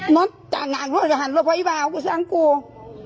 นักออกไปเท้าหลังบุง